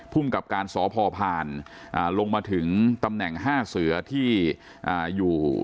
ภูมิกับการสพพานลงมาถึงตำแหน่ง๕เสือที่อยู่